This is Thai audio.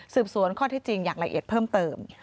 สวนข้อที่จริงอย่างละเอียดเพิ่มเติม